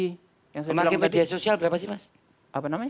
sebagai media sosial berapa sih mas